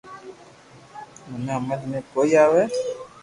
منو ھمج ۾ ڪوئي آوي